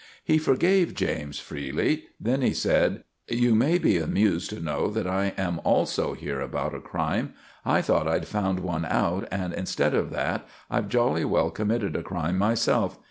He forgave James freely. Then he said— "You may be amused to know that I am also here about a crime. I thought I'd found one out and, instead of that, I've jolly well committed a crime myself.